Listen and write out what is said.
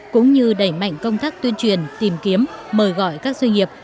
cũng như đẩy mạnh công tác tuyên truyền tìm kiếm mời gọi các doanh nghiệp